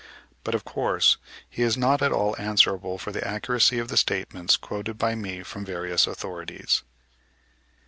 But, of course, he is not at all answerable for the accuracy of the statements quoted by me from various authorities.)